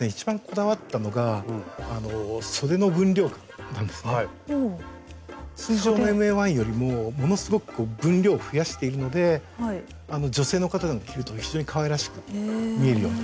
やはりですね通常のＭＡ−１よりもものすごく分量を増やしているので女性の方が着ると非常にかわいらしく見えるような形になってます。